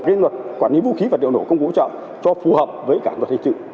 cái luật quản lý vũ khí vật liệu nổ công cụ hỗ trợ cho phù hợp với cả luật hình sự